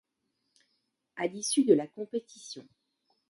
À l'issue de la compétition.